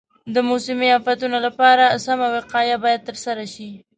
د موسمي افتونو لپاره سمه وقایه باید ترسره شي.